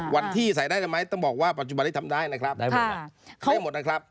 วันที่ใส่ได้หรือไม่ต้องบอกว่าปัจจุบันได้ทำได้นะครับ